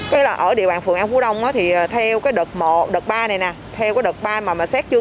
với là ở địa bàn phường an phú đông thì theo cái đợt một đợt ba này nè theo cái đợt ba mà xét chưa